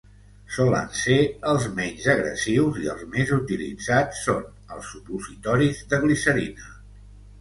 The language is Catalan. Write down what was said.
Solen ser els menys agressius i els més utilitzats són els supositoris de glicerina.